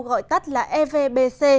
gọi tắt là evbc